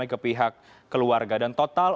ke pihak keluarga dan total